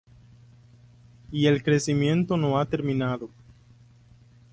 Y el crecimiento no ha terminado.